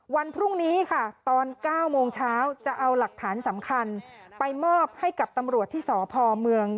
วันพรุ่งนี้ค่ะตอน๙โมงเช้าจะเอาหลักฐานสำคัญไปมอบให้กับตำรวจที่สพเมือง